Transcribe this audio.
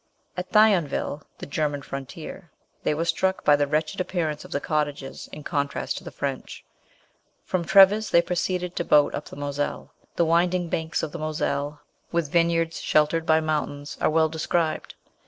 At Thionville, the German frontier, they were struck by the wretched appearance of the cottages in contrast to the French. From Treves they proceeded by boat up the Moselle. The winding banks of the Moselle, with the vineyards sheltered by mountains, are well described.